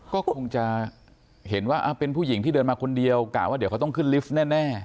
ก็คงจะเห็นว่าเป็นผู้หญิงที่เดินมาคนเดียวกะว่าเดี๋ยวเขาต้องขึ้นลิฟต์แน่